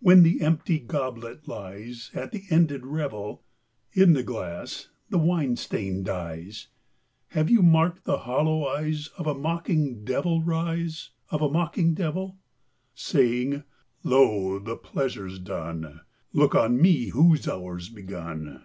When the empty goblet lies At the ended revel, In the glass, the wine stain dyes, Have you marked the hollow eyes Of a mocking Devil rise, Of a mocking Devil? Saying "Lo, the pleasure's done! Look on me whose hour's begun!"